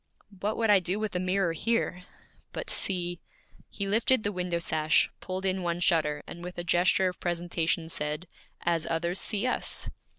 'What would I do with a mirror here? But see ' He lifted the window sash, pulled in one shutter, and with a gesture of presentation, said, 'As others see us!'